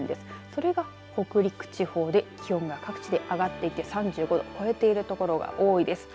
それが北陸地方で気温が各地で上がっていて３５度を超えている所が多いです。